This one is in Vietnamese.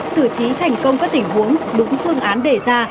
xử trí thành công các tình huống đúng phương án đề ra